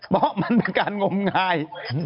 เพราะมันเป็นการงมงาย